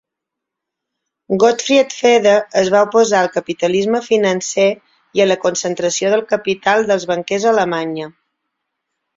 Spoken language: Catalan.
Gottfried Feder es va oposar al capitalisme financer i a la concentració de capital dels banquers a Alemanya.